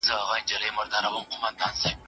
ستا ارادې له تاترې نه لوړې